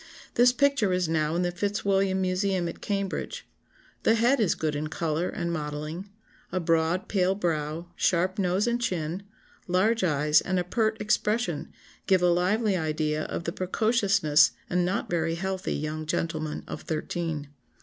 This picture is now in the Fitzwilliam Museum at Cambridge. The head is good in colour and modelling; a broad pale brow, sharp nose and chin, large eyes, and a pert expression, give a lively idea of the precocious and not very healthy young gentleman of thirteen.